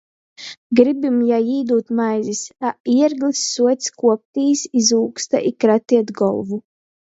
Gribim jam īdūt maizis, a Ierglis suoc kuoptīs iz ūksta i krateit golvu.